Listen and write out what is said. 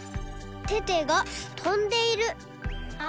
テテがとんでいる。